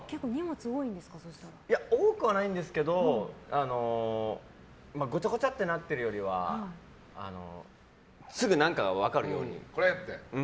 多くはないんですけどごちゃごちゃとなっているよりはすぐ何かが分かるように。